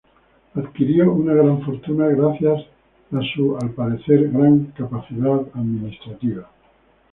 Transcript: Adquirió una gran fortuna gracias a su, al parecer, gran capacidad administrativa.